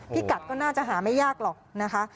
พี่กัดก็น่าจะหาไม่ยากหรอกนะคะ